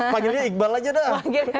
panggilnya iqbal aja dah